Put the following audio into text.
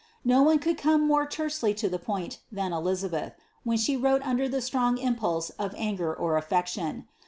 No one could come more tersely to the poini than Eliiabeth, when she wrote under the strong impulse of anger or affection.